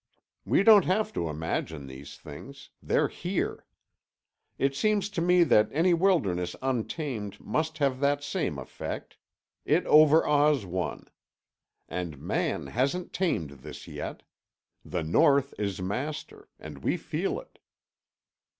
We don't have to imagine these things; they're here. It seems to me that any wilderness untamed must have that same effect; it overawes one. And man hasn't tamed this yet. The North is master—and we feel it."